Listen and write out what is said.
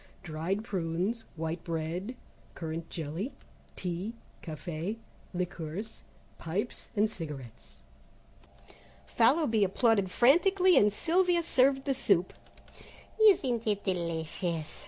Dried prunes White bread, Currant Jelly, Tea Café, Liqueurs, Pipes and Cigarettes. Fallowby applauded frantically, and Sylvia served the soup. "Isn't it delicious?"